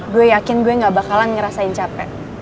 gue yakin gue gak bakalan ngerasain capek